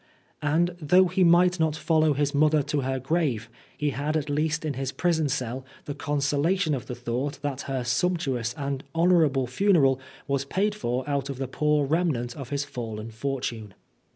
And though he might not follow his mother to her grave, he had at least in 77 Oscar Wilde his prison cell the consolation of the thought that her sumptuous and honourable funeral was paid for out of the poor remnant of his fallen fortune.